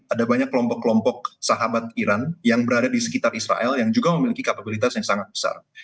ada banyak kelompok kelompok sahabat iran yang berada di sekitar israel yang juga memiliki kapabilitas yang sangat besar